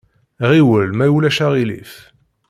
Ɣiwel, ma ulac aɣilif.